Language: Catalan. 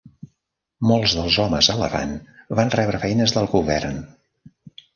Molts dels homes elefant van rebre feines del govern.